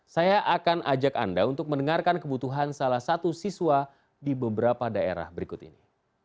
saya akan ajak anda untuk mendengarkan kebutuhan salah satu siswa di beberapa daerah berikut ini